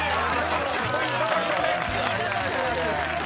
３０ポイント獲得です］